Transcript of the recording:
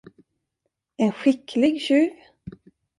En skicklig tjuv?